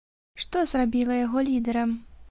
Што зрабіла яго лідэрам?